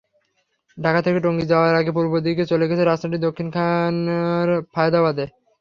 ঢাকা থেকে টঙ্গী যাওয়ার আগে পূর্ব দিকে চলে গেছে রাস্তাটি দক্ষিণখান থানার ফায়েদাবাদে।